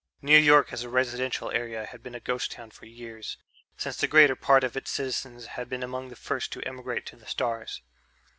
New York as a residential area had been a ghost town for years, since the greater part of its citizens had been among the first to emigrate to the stars.